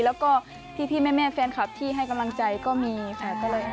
แล้วก็พี่แม่แฟนคลับที่ให้กำลังใจก็มีค่ะ